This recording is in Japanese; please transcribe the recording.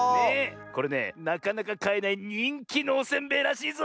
これねなかなかかえないにんきのおせんべいらしいぞ！